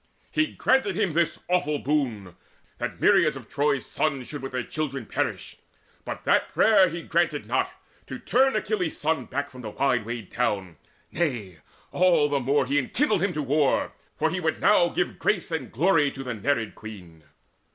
He granted him This awful boon, that myriads of Troy's sons Should with their children perish: but that prayer He granted not, to turn Achilles' son Back from the wide wayed town; nay, all the more He enkindled him to war, for he would now Give grace and glory to the Nereid Queen.